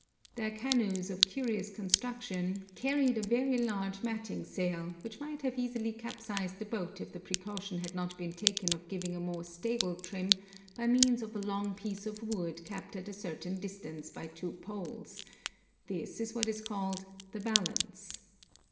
Their canoes of curious construction, carried a very large matting sail, which might have easily capsized the boat if the precaution had not been taken of giving a more stable trim by means of a long piece of wood kept at a certain distance by two poles; this is what is called the "balance."